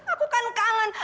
aku kan kangen